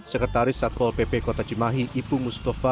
sekretaris satpol pp kota cimahi ipu mustafa